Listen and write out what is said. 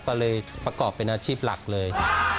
ก็เลยประกอบเป็นอาชีพหลักเลย